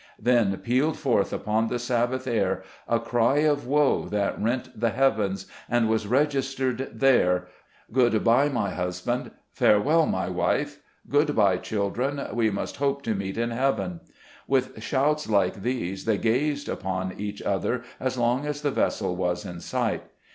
Then pealed forth upon the Sabbath air a cry of woe that rent the heavens, and was registered there, "Good by, my husband!" "Farewell, my wife!" "Good by, children ! we must hope to meet in heaven !" With shouts like these, they gazed upon each other as long as the vessel was in sight.